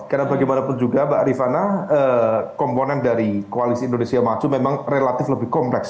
karena bagaimanapun juga mbak arifana komponen dari koalisi indonesia maju memang relatif lebih kompleks